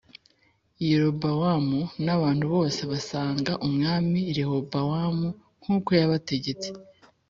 Yerobowamu n’abantu bose basanga Umwami Rehobowamu nk’uko yabategetse